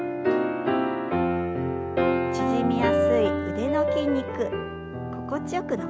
縮みやすい腕の筋肉心地よく伸ばしていきましょう。